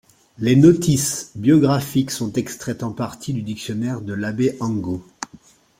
Les notices biographiques sont extraites en partie du dictionnaire de l'Abbé Angot.